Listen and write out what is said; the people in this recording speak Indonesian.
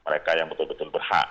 mereka yang betul betul berhak